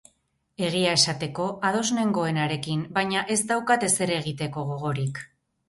Egia esateko, ados nengoen harekin, baina ez daukat ezer egiteko gogorik.